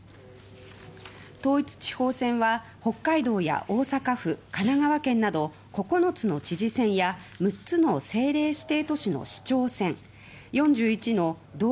統一地方選は北海道や大阪府など９つの知事選や６つの政令指定都市の市長選。